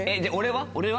俺は？